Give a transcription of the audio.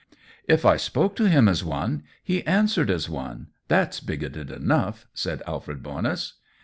"If I spoke to him as one, he answered as one; thafs bigoted enough," said Alfred Bonus.